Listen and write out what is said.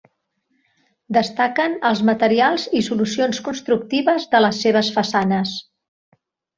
Destaquen els materials i solucions constructives de les seves façanes.